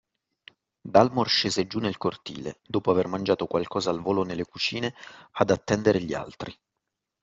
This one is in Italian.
Dalmor scese giù nel cortile, dopo aver mangiato qualcosa al volo nelle cucine, ad attendere gli altri.